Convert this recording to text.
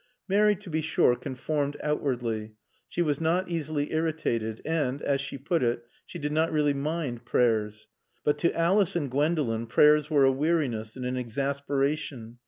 Mary, to be sure, conformed outwardly. She was not easily irritated, and, as she put it, she did not really mind prayers. But to Alice and Gwendolen prayers were a weariness and an exasperation.